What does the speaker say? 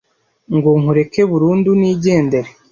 Ngo nkureke burundu nigendere